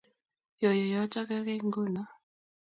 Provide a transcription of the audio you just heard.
Yoyo yoto keikei nguno